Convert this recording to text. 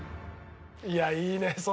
いやいいね。